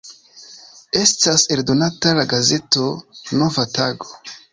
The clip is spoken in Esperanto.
Estas eldonata la gazeto "Nova tago".